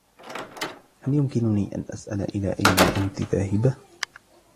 هل يمكنني أن أسأل, إلى أين أنتِ ذاهبة ؟